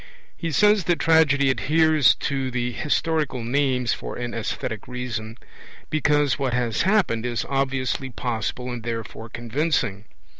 He says that tragedy adheres to 'the historical names' for an aesthetic reason, because what has happened is obviously possible and therefore convincing.